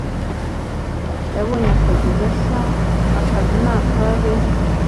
yabonye akazi gashya." "Akazi ni akahe?"